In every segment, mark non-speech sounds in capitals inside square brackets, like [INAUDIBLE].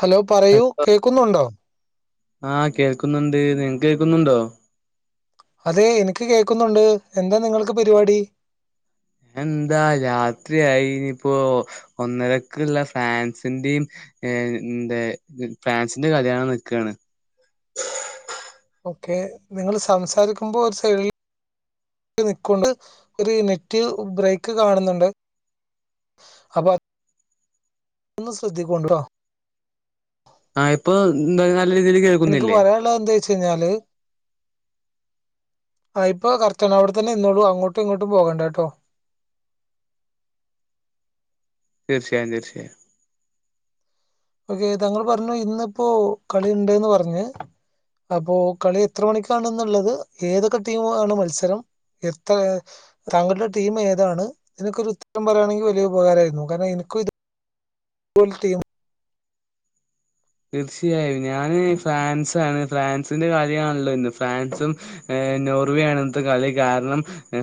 Hello പറയൂ hello കേക്കുന്നുണ്ടോ ആഹ് കേൾക്കുന്നുണ്ട് നിങ്ങൾ ക് കേക്കുന്നുണ്ടോ. അതെ എനിക്ക് കേൾക്കുന്നുണ്ട്. എന്താ നിങ്ങൾക്ക് പരിപാടി. എന്താ രാത്രിയായി ഇനിപ്പോ ഒന്നരക്കുള്ള ഫ്രാൻസിന്റിം ഏഹ് എന്തെ ഫ്രാൻസിന്റെ കളി കാണാൻ നിൽക്കണ്. ഓക്കെ നിങ്ങൾ സംസാരിക്കുമ്പോ ഒരു സൈൽ നിക്കൊണ്ട് ഒരു നെറ്റ് ബ്രേക്ക് കാണുന്നുണ്ട്. അപ്പ ഒന്ന് ശ്രദ്ധിക്കൊണ്ടിട്ടോ. ആഹ് ഇപ്പ നല്ല രീതിയിൽ കേൾ എനിക്ക് പറയാള്ളത് എന്താച്ചഴിഞ്ഞാല്. ആ ഇപ്പോ കർറ്റാണ് അവിടെ തന്നെ നിന്നോളൂ അങ്ങോട്ടും ഇങ്ങോട്ടും പോകേണ്ടട്ടോ. തീർച്ചയായും തീർച്ചായും ഓക്കെ. താങ്കൾ പറഞ്ഞു ഇന്നിപ്പോ കളിണ്ട്ന്ന് പറഞ്ഞ്. അപ്പൊ കളി എത്ര മണിക്കാണ്ന്നുള്ളത്. ഏതൊക്കെ ടീം ആണ് മത്സരം. എത്രയാ? താങ്കളുടെ ടീം ഏതാണ്. നിനക്കൊരു ഉത്തരം പറയുകയാണെങ്കി വലിയ ഉപകാരായിരുന്നു കാരണം എനിക്കു ഇത് പോൾ ടീം തീർച്ചയായും ഞാന് ഫ്രാൻസാണ് ഫ്രാൻസിന്റെ കളി ആണല്ലോ ഇന്ന് ഫ്രാൻസും... ഏ നോർവേ ആണ് ഇന്നത്തെ കളി. കാരണം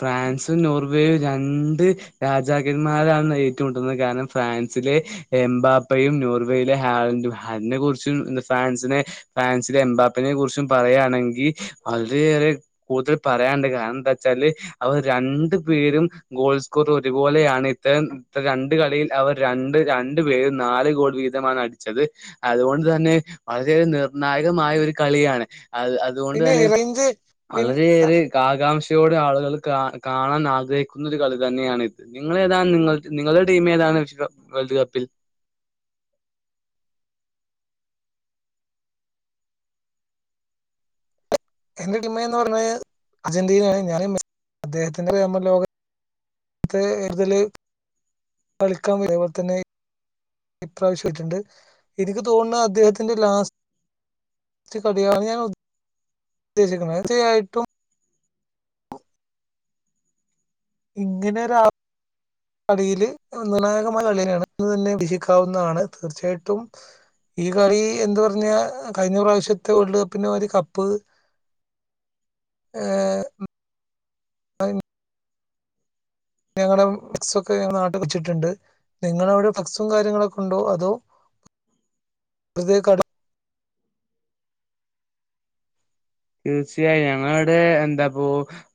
ഫ്രാൻസും നോർവേയും രണ്ട്.. രാജാക്കന്മാരാണ് ഏറ്റുമുട്ടുന്നത്. കാരണം ഫ്രാൻസിലെ എംബാപ്പയും നോർവേയിലെ ഹാളൻറും അതിനെ കുറിച്ചും എന്താ ഫ്രാൻസിനെ ഫ്രാൻസിലെ എംമ്പാപ്പെനെ കുറിച്ചും പറയാണെങ്കി അത് ഏറെ കൂട്തൽ പറയാണ്ട് കാരണന്താച്ചാല് അവർ രണ്ടു പേരും ഗോൾസ്കോർ ഒരു പോലെയാണ് ഇത്തരം രണ്ട് കളിയിൽ അവർ രണ്ട് രണ്ട് പേരും നാല് ഗോൾ വീ തമാണ് അടിച്ചത് അതുകൊണ്ട് തന്നെ വളരെ നിർണായകമായ ഒരു കളിയാണ് അത് അത് അതുകൊണ്ട് പിന്നെ തന്നെ റേഞ്ച് പിന്നെ വളരെയേറെ കാകാംക്ഷയോടെ ആളുകള് കാ കാണാൻ ആഗ്രഹിക്കുന്ന ഒരു കളി തന്നെയാണിത് നിങ്ങളേതാണ് നിങ്ങൾക്ക്‌ നിങ്ങളുടെ ടീം ഏതാണ് മിഷ് കോ വേൾഡ് കപ്പിൽ എന്റെ ടിമെന്ന് പറഞ്ഞയ് ഞ്ഞാൽ അർജന്റീനയാണ് ഞാന് മെസ്സി അദ്ദേഹത്തിന്റെ വേമ്പർ ലോക ത്തെ എതില് കളിക്കാ വരുവോ തന്നെ ഇപ്രാവശ്യ ഇച്ച്ണ്ട് എനിക്ക് തോന്നുണ അദ്ദേഹത്തിന്റെ ലാസ് ഇച്ച് കളിയാണ് ഞാൻ ഉദ്ദേശിക്കുന്നത്. തീർച്ചയായിട്ടും ഇങ്ങനൊരാ അടിയില് നിർണ്ണായകമായ കളിയെന്നെയാണ് അന്ന് തന്നെ വീക്ഷിക്കാവുന്നതാണ് തീർച്ചയായിട്ടും ഈ കളി എന്ത് പറഞ്ഞാ ആ കഴിഞ്ഞ പ്രാവശ്യത്തെ വേൾഡ് കപ്പിന്റെ മാരി കപ്പ് ഏ ഉം ഞങ്ങളും ഫ്ലക്സൊക്കെ നാട്ട് വെച്ചിട്ടുണ്ട് നിങ്ങളവിടെ ഫ്ലക്സും കാര്യങ്ങളൊക്കൊണ്ടോ അതോ വെർതെ കളി തീർച്ചയായു ഞങ്ങളവടെ എന്താപ്പോ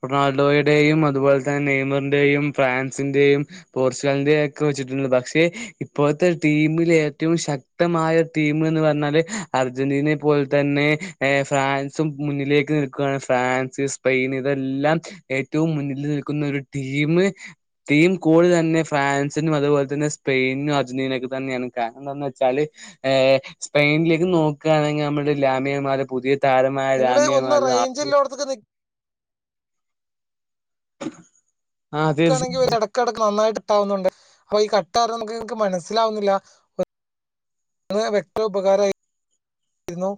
റൊണാൾഡോയുടെയും അതുപോലെ തന്നെ നെയ്മറിന്റെയും ഫ്രാൻസിന്റെയും പോർച്ചുഗലിന്റെ എക്കെ വെച്ചിട്ടുണ്ട് പക്ഷേ ഇപ്പോഴത്തെ ടീമില് ഏറ്റവും ശക് ക്തമായ ടീമ്ന്ന് പറഞ്ഞാല് അർജന്റീനെ പോലെ തന്നെ ഏ ഫ്രാൻസും മുന്നിലേക്ക് നിക്കുവാണ് ഫ്രാൻസ് സ്പെയിന് ഇതെല്ലാം ഏറ്റവും മുന്നിൽ നിൽക്കുന്ന ഒരു ടീമ് ടീം കൂള് തന്നെ ഫ്രാൻസിനും അത് പോലെ തന്നെ സ്പെയിനിനും അർജന്റീനക്ക് തന്നെയാണ് കാരണന്തെന്ന് വെച്ചാല് ഏ സ്പെയിനിലേക്ക് നോക്കാണെങ്കി അമ്മള് ലാമിയമാല് പുതിയ താരം മാ ലാമിയമാല് അ പു പൊറത്ത്ക്ക് നി [INAUDIBLE] ഇക്കാണെങ്കി ഒരു എടക്കെടക്ക്‌ നന്നായിട്ട് തളന്നുണ്ട്. അപ ഈ കട്ടാത് നമ്മക്ക് മനസ്സിലാവുന്നില്ല ന്ന് വ്യക് തോപകാരായി രുന്നു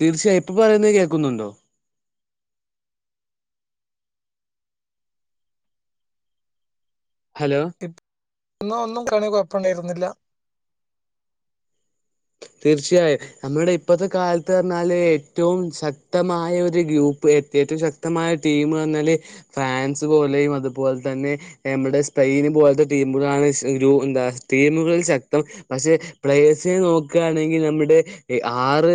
തീർച്ചയായ് ഇപ്പ പറയുന്നത് കേക്കുന്നുണ്ടോ? ഹലോ ഇപ്പ് ന്നാ ഒന്നും കാൺണേന് കൊയപ്പം ണ്ടായിരുന്നില്ല തീർച്ചയായും നമ്മുടെ ഇപ്പത്തെ കാലത്ത് റ്ഞ്ഞാല് ഏറ്റവും ശക്തമായ ഒരു ഗ്രൂപ്പ് എത്തിട്ട് ശക് ക്തമായ ടീമ് റ്ഞ്ഞാല് ഫ്രാൻസ് പോലെയും അതുപോലെ തന്നെ ഏ നമ്മൾടെ സ്പെയിന് പോലത്തെ ടീമുകളാണ് ശ് രൂ എന്താ ടീമുകളിൽ ശക്തം പക്ഷെ പ്ലയേഴ്സിനെ നോക്കാണെങ്കിൽ നമ്മുടെ ഏഹ് ആറ്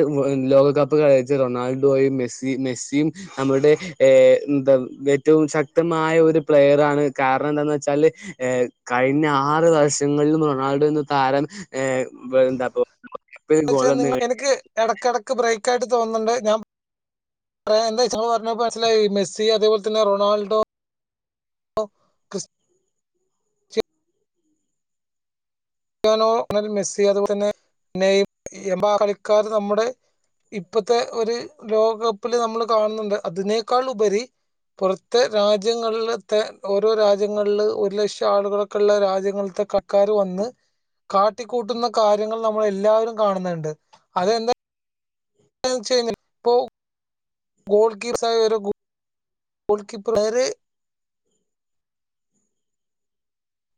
ലോകകപ്പ് കളിച്ച റൊണാൾഡോയും മെസ്സി മെസ്സിയും നമ്മുടെ ഏ എന്താ വ് ഏറ്റവും ശക്തമായ ഒരു പ്ലെയർ ആണ് കാരണെന്താന്ന് വെച്ചാല് ഏഹ് കഴിഞ്ഞ ആറ് വർഷങ്ങളിലും റൊണാൾഡോ ന്നു താരം ഏഹ് വെ എന്താപ്പൊ പക്ഷേ നിങ്ങൾ എനിക്ക് എടക്ക് എടക്ക് ബ്രേക്കായിട്ട് തോന്നുന്നുണ്ട് ഞാമ് ഏഹ് എന്തേ ച്ച് ങ്ങള് പറഞ്ഞു ഇപ്പം മൻസിലായി മെസ്സി അതേപോലെ തന്നെ റൊണാൾഡോ ഡൊണോ മെൽ മെസ്സി അതുപോലന്നെ നെയ് എംബാ കളിക്കാർ നമ്മുടെ ഇപ്പത്തെ ഒരു ലോകകപ്പില് നമ്മള് കാണുന്നുണ്ട് അതിനേക്കാൾ ഉപരി പുറത്തെ രാജ്യങ്ങളിലത്തെ ഓരോ രാജ്യങ്ങളില് ഒരു ലക്ഷം ആളുകളൊക്കെള്ള രാജ്യങ്ങൾത്തെ ക കാര് വന്ന് കാട്ടിക്കൂട്ടുന്ന കാര്യങ്ങൾ നമ്മൾ എല്ലാവരും കാണുന്ന്ണ്ട് അതെന്തെ ന്താ ന്ന്ച്ച്കയിഞാല് പ്പോ ഗോൾ കീസ് ആയി ഒരു ഗേ ൾ കീ പ്ലയറ്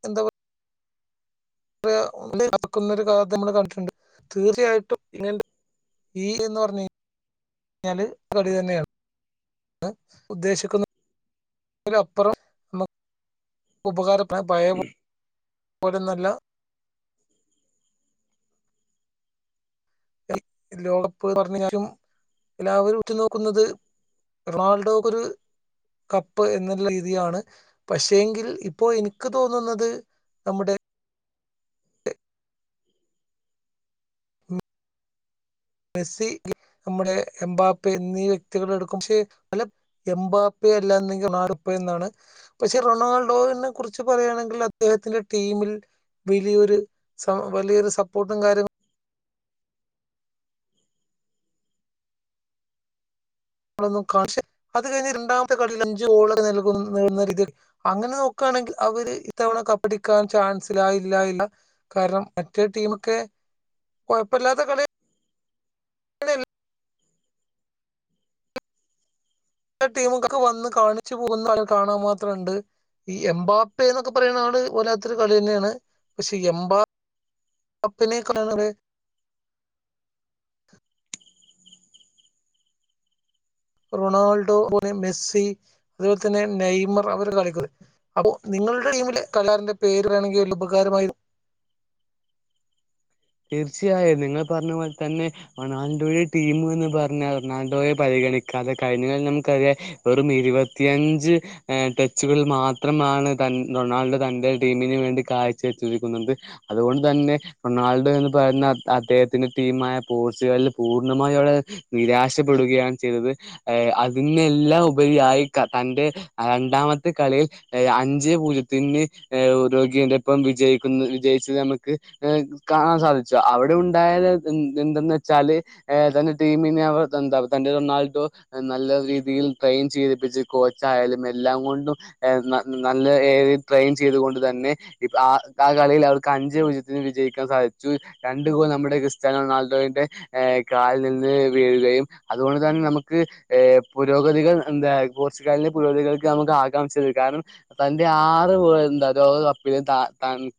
എന്താ പ റയ [UNINTELLIGIBLE] ഒരു കാലത്ത് നമ്മൾ കണ്ടിട്ടുണ്ട് തീർച്ചയായിട്ടും ഇങ്ങ ഈ എന്ന് പറഞ്ഞ് ഴിഞ്ഞാല് കളി തന്നെയാണ് [UNINTELLIGIBLE] ഉദ്ദേശിക്കുന്ന [UNINTELLIGIBLE] അപ്പുറം നമുക്ക് ഉപകാര [UNINTELLIGIBLE] പയേ പോ പോലന്നല്ല ലോകകപ്പ് [UNINTELLIGIBLE] എല്ലാവരും ഉറ്റുനോക്കുന്നത് റൊണാൾഡോക്ക ഒരു കപ്പ് എന്ന രീതിയാണ് പക്ഷേ എങ്കിൽ ഇപ്പോ എനിക്ക് തോന്നുന്നത് നമ്മുടെ മെസ്സി നമ്മുടെ എംബാപ്പ് എന്നീ വ്യക്തികൾ എടുക്കും പക്ഷെ എംമ്പാപ്പ അല്ലാ നെങ്കിൽ നാടുപ്പ എന്നാണ് പക്ഷെ റൊണാൾഡോനെ കുറിച്ച് പറയുകയാണെങ്കിൽ അദ്ദേഹത്തിന്റെ ടീമിൽ വലിയൊരു വലിയൊരു സപ്പോർട്ടും കാര്യങ്ങളും കളൊന്നും കാ പക്ഷെഅത് കഴിഞ്ഞ് രണ്ടാമത്തെ കളിയിൽ അഞ്ച് ഗോളൊക്കെ നൽകു ന്ന നൽകി അങ്ങനെ നോക്കാണെങ്കിൽ അവര് ഇത്തവണ കപ്പടിക്കാൻ ചാൻസിലായില്ലായില്ല കാരണം മറ്റേ ടീമൊക്കെ കുഴപ്പില്ലാത്ത കളി ടീമക്കൊ ക്കെ വന്ന് കാണിച്ചു പോകുന്ന കളി കാണാൻ മാത്രണ്ട് ഈ എംബാപ്പെ ന്നൊക്കെ പറയുന്ന ആള് വല്ലാത്തൊരു കളി തന്നെയാണ് പക്ഷേ എം ബാ പ്പനെ [UNINTELLIGIBLE] റൊണാൾഡോ പോലെ മെസ്സി അതുപോലെ തന്നെ നെയ്മർ അവര് കളിക്കുന്ന അപ്പോ നിങ്ങളുടെ ടീമിലെ കളാറിന്റെ പേര് പറഞ്ഞങ്കിൽ ഒരു ഉപകാരമായി തീർച്ചയായും നിങ്ങൾ പറഞ്ഞ പോലെ തന്നെ റൊണാൾഡോയുടെ ടീമ എന്ന് പറഞ്ഞാൽ റൊണാൾഡോയെ പരിഗണിക്കാതെ കഴിഞ്ഞിൽ നമുക്കറിയ വെറും ഇരുപത്തിയഞ്ച് ടെച്ചുകളിൽ മാത്രമാണ് ത റൊണാൾഡോ തന്റെ ടീമിന് വേണ്ടി കാഴ്ച്ച വച്ചിരിക്കുന്നത് അതുകൊണ്ട് തന്നെ റൊണാൾ എന്ന് പറയുന്ന അദ്ദേഹത്തിന്റെ ടീമായ പോർച്ചുഗല് പൂർണ്ണമായ അവടെ നിരാശപ്പെടുകയാണ് ചെയ്തത് ഏ അതിനെല്ലാം ഉപരിയായി തന്റെ രണ്ടാമത്തെ കളിയിൽ അഞ്ച്പൂജ്യത്തിന് ഏ രോഗിയോടപ്പം വിജയിക്കുന്നു വിജയിച്ചത് നമുക്ക് കാണാൻ സാധിച്ചു അവിടെ ഉണ്ടായത് എ എന്തെന്ന് വെച്ചാല് ഏതാണ് ടീമിന അവർ എന്താ തന്റെ റൊണാൾഡോ. നല്ല രീതിയിൽ ട്രെയിൻ ചെയ്തിപ്പിച്ച് കോച്ച് ആയാലും എല്ലാം കൊണ്ടും നല്ല ട്രെയിൻ ചെയ്തു കൊണ്ട് തന്നെ ഇപ്പ ആഹ് ആ കളിയിൽ അവർക്ക് അഞ്ചേപൂജ്യത്തിന് വിജയിക്കും ക്കാൻ സാധിച്ചു രണ്ടു ഗോൾ നമ്മുടെ ക്രിസ്ത്യാന റൊണാൾഡോയുടെ ഏഹ് കാലിൽ നിന്ന് വീഴുകയും അതുകൊണ്ട് തന്നെ നമുക്ക് ഏഹ് പുരോഗതികൾ എന്താ? പോർച്ചുഗാലിലെ പുരോഗതികൾക്ക് നമുക്ക് ആകാംക്ഷയത് കാരണം തന്റെ ആറ് [UNINTELLIGIBLE] എന്താ അതായത് ലോകകപ്പിൽ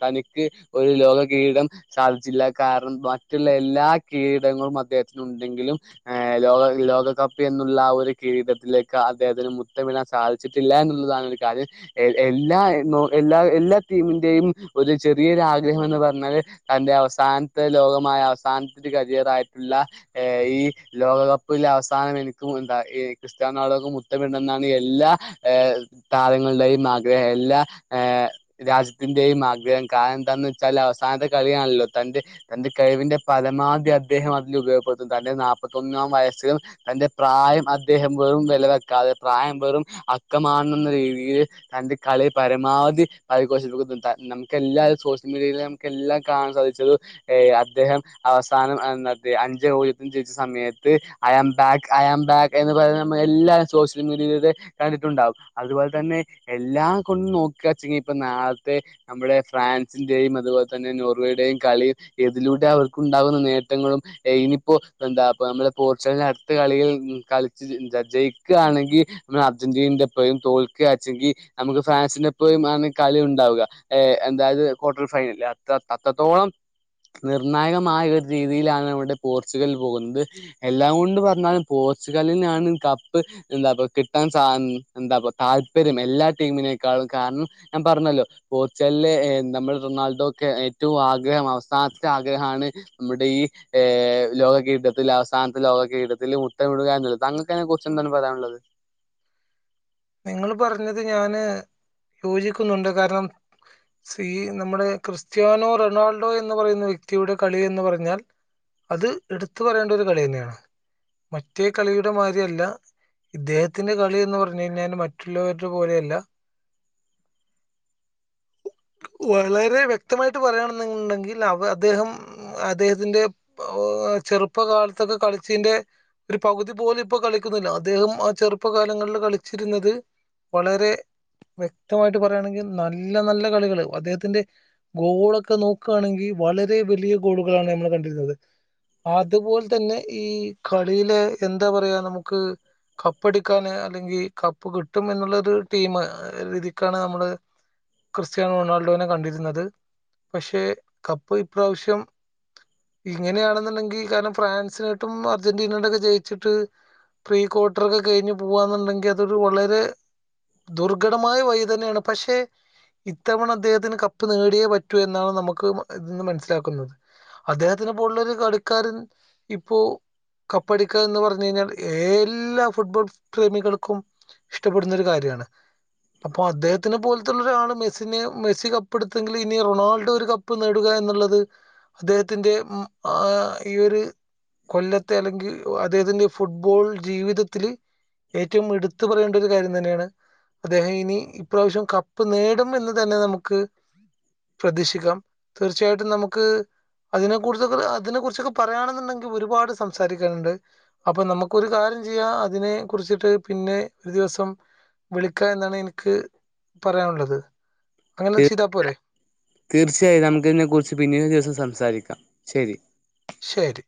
തനിക്ക് ഒരു ലോക കീരിടം സാധിച്ചില്ല കാരണം മറ്റുള്ള എല്ലാ കീരീടങ്ങളും അദ്ദേഹത്തിനുണ്ടെങ്കിലും ലോക ലോകകപ്പ് എന്നുള്ള ഒരു കിരീടത്തിലേക്ക് അദ്ദേഹത്തിന് മുത്തം മിടാൻ സാധിച്ച ച്ചിട്ടില്ല എന്നുള്ളതാണ് ഒരു കാര്യം എല്ലാ എല്ലാ എല്ലാ ടീമിന്റെയും ഒരു ചെറിയൊരു ആഗ്രഹം എന്ന് പറഞ്ഞാല് തന്റെ അവസാനത്തെ ലോകമായ അവസാനത്തെ കരിയറായിട്ടുള്ള ഏ ഈ ലോകകപ്പിലെ അവസാനം എനിക്കും എന്താ ക്രിസ്ത്യാന റൊണാൾഡക്കും മുത്തമിടണമെന്നാണ് എല്ലാ താരങ്ങളുടെയും ആഗ്രഹം എല്ലാ ഏഹ്‌ രാജ്യത്തിന്റെയും ആഗ്രഹം കാരണം എന്താന്ന് വെച്ചാൽ അവസാനത്തെ കളിയാണല്ലോ തന്റെ തന്റെ കഴിവിന്റെ പരമാവധി അദ്ദേഹം അതിൽ ഉപയോഗപ്പെടുത്തുന്നു തന്റെ നാല്പത്തൊന്നാം വയസ്സിലും തന്റെ പ്രായം അദ്ദേഹം വെറും വില വെക്കാതെ പ്രായം വെറും അക്കമാണെന്ന രീതിയിൽ തന്റെ കളി പരമാവധി [INAUDIBLE] നമുക്ക് എല്ലാവരും സോഷ്യൽ മീഡിയയിലെ നമുക്ക് എല്ലാ കാണാൻ സാധിച്ചത് ഏ അദ്ദേഹം അവസാനം [INAUDIBLE] സമയത്ത് അയാം ബാക്ക് അയാം ബാക്ക് എന്നുപറയുന്നത് നമ്മളെല്ലാരും സോഷ്യൽ മീഡിയയിലൂടെ കണ്ടിട്ടുണ്ടാവും അതുപോലെ തന്നെ എല്ലാം കൊണ്ടും നോക്കച്ചെങ്കി ഇപ്പം നാളത്തെ നമ്മുടെ ഫ്രാൻസിന്റെയും അതുപോലെ തന്നെ നോ ടെയും കളി ഇതിലൂടെ അവർക്കുണ്ടാകുന്ന നേട്ടങ്ങളും ഇനിയിപ്പോ എന്താ ഇപ്പ നമ്മുടെ പോർച്ചുഗലിന്റെ അടുത്ത കളിയിൽ കളിച്ച് ജയിക്ക്കയാണെങ്കി നമ്മളെ അർജന്റീനന്റെപ്പയും തോൽക്കച്ചെങ്കിൽ നമുക്ക് ഫ്രാൻസിനെപ്പഴും അ കളി ഉണ്ടാവുല്ല എന്തായത് ക്വാർട്ടർ ഫൈനൽ അത് അത്രത്തോളം നിർണായകമായ ഒരു രീതിയിലാണ് ഇവിടെ പോർച്ചുഗൽ പോകുന്നത് എല്ലാം കൊണ്ട് പറഞ്ഞാലും പോർച്ചുഗലിനാണ് കപ്പ്. എന്താപ്പ കിട്ടാൻ സാ എന്താപ്പ താല്പര്യം എല്ലാ ടീമിനേക്കാളും കാരണം ഞാൻ പറഞ്ഞല്ലോ പോർച്ചുഗലിലെ നമ്മൾ റൊണാൾഡോക്കെ ഏറ്റവും ആഗ്രഹം അവസാനത്തെ ആഗ്രഹമാണ് നമ്മുടെ ഈ ഏഹ് ലോക കിരീടത്തിൽ അവസാനത്തെ ലോക കിരീടത്തിൽ മൂത്തമിടുക എന്നുള്ളത് താങ്കൾക്കതിനെ കുറച്ച് എന്താണ് പറയാനുള്ളത് നിങ്ങൾ പറഞ്ഞത് ഞാന് യോജിക്കുന്നുണ്ട് കാരണം ശ്രീ നമ്മുടെ ക്രിസ്ത്യാനോ റൊണാൾഡോ എന്ന് പറയുന്ന വ്യക്തിയുടെ കളി എന്ന് പറഞ്ഞാ അത് ഇട്ത്ത് പറയേണ്ട ഒരു കളി തന്നെയാണ്. മറ്റേ കളിയുടെ മാരിയല്ല ഇദ്ദേഹത്തിന്റെ കളി എന്ന് പറ ഴിഞ്ഞാൽ മറ്റുള്ളവരുടെ പോലെയല്ല [INAUDIBLE] വളരെ വ്യക്തമായിട്ട് പറയാണണ്ടെങ്കിൽ അവ അദ്ദേഹം അദ്ദേഹത്തിന്റെ ചെറുപ്പകാലത്തൊക്കെ കളിച്ചീന്റെ ഒരു പകുതി പോലും ഇപ്പൊ കളിക്കുന്നില്ല അദ്ദേഹം ആ ചെറുപ്പ കാലങ്ങളിൽ കളി ച്ചിരുന്നത് വളരെ വ്യക്തമായിട്ട് പറയുകയാണെങ്കിൽ നല്ല നല്ല കളികള് അദ്ദേഹത്തിന്റെ ഗോളൊക്കെ നോക്കാണെങ്കിൽ വളരെ വലിയ ഗോളുകളാണ് നമ്മൾ കണ്ടിരുന്നത്. അതുപോൽതന്നെ ഈ കളിയിലെ എന്താ പറയാ നമുക്ക് കപ്പടിക്കാന് അല്ലെങ്കി കപ്പ് കിട്ടും എന്നുള്ള ഒരു ടീം രീതിക്കാണ് നമ്മള് ക്രിസ്ത്യാനോ റൊണാൾഡോനെ കണ്ടിരുന്നത് പക്ഷേ കപ്പ് ഇപ്രാവശ്യം ഇങ്ങനെയാണെന്നുണ്ടെങ്കി കാരണം ഫ്രാൻസിനായിട്ടും അർജന്റീനയുടെക്കെ ജയിച്ചിട്ട് പ്രീക്വാർട്ടർ ഒക്കെ കഴിഞ്ഞ് പോവാ എന്നുണ്ടെങ്കിൽ അതൊരു വളരെ ദുർഘടമായ വഴി തന്നെ യാണ് പക്ഷെ ഇത്തവണ അദ്ദേഹത്തിന് കപ്പ് നേടിയേ പറ്റൂ എന്നാണ് നമുക്ക് ഇന്ന് മനസ്സിലാക്കുന്നത്. അദ്ദേഹത്തിനന് പോലുള്ള ഒരു കളിക്കാരൻ ഇപ്പോ കപ്പടിക്ക എന്ന് പറഞ്ഞ കഴിഞ്ഞാൽ എല്ലാ ഫുട്ബോൾ പ്രേമികൾക്കും ഇഷ്ടപ്പെടുന്ന ഒരു കാര്യണ് അപ്പോ അദ്ദേഹത്തിന് പോലത്തുള്ള ഒരാള് മെസ്സിനെ മെസ്സി കപ്പ് എടുത്തെങ്കിൽ ഇനി റൊണാൾഡോ ഒരു കപ്പ് നേടുക എന്നുള്ളത് അദ്ദേഹത്തിന്റെ ആ ഈ ഒരു കൊല്ലത്തെ അല്ലെങ്കിൽ അദ്ദേഹത്തിൻ്റെ ഫുട്ബോൾ ജീവിതത്തില് ഏറ്റവും എടുത്തു ത്ത് പറയേണ്ട ഒരു കാര്യം തന്നെണ് അദ്ദേഹം ഇനി ഇപ്രാവശ്യം കപ്പ് നേടും എന്ന് തന്നെ നമുക്ക് പ്രതീക്ഷിക്കാം തീർച്ചയായിട്ടും നമുക്ക് അതിനെ കുറിച്ചൊക്കെ അതിനെ കുറിച്ചൊക്കെ പറയാണ് ന്ന്ണ്ടെങ്കിൽ ഒരുപാട് സംസാരിക്കാനുണ്ട് അപ്പൊ നമുക്കൊരു കാര്യം ചെയ്യാം അതിനെ കുറിച്ചിട്ട് പിന്നെ ഒരു ദിവസം വിളിക്ക എന്നാണ് എനിക്ക് പറയാനുള്ളത് അങ്ങനെ ചെയ്താപോരെ തീർച്ചയായും നമുക്ക് ഇതിനെ കുുറിച്ച് പിന്ന ദിവസം സംസാരിക്കാം ശരി ശരി